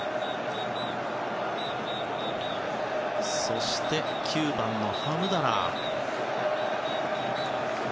そして９番のハムダラー。